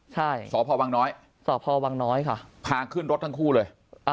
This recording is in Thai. ใช่สพวังน้อยสพวังน้อยค่ะพาขึ้นรถทั้งคู่เลย